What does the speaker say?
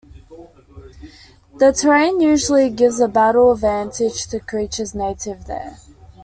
The terrain usually gives a battle advantage to creatures native there.